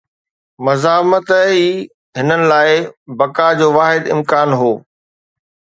مزاحمت ئي هنن لاءِ بقا جو واحد امڪان هو.